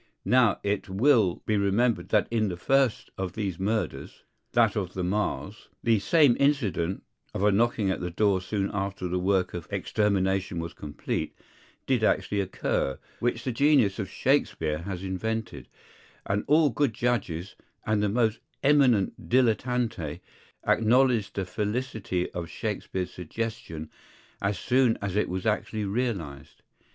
Now it will be remembered that in the first of these murders, (that of the Marrs,) the same incident (of a knocking at the door soon after the work of extermination was complete) did actually occur, which the genius of Shakspeare has invented; and all good judges, and the most eminent dilettanti, acknowledged the felicity of Shakspeare's suggestion as soon as it was actually realized.